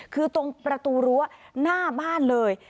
คือตรงประตูรั้วหน้าบ้านเลย